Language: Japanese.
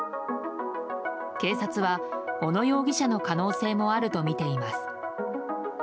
警察は小野容疑者の可能性もあるとみています。